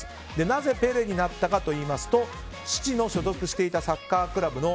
なぜ、ペレになったかというと父の所属していたサッカークラブの。